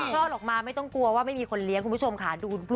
รอดออกมาไม่ต้องกลัวว่าไม่มีคนเลี้ยงคุณผู้ชมขาดูรูปก่อน